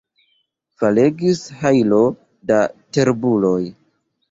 Falegis hajlo da terbuloj.